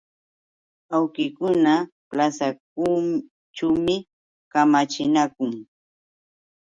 Awkikuna plasaćhuumi kamachinakun.